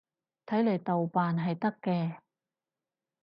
睇嚟豆瓣係得嘅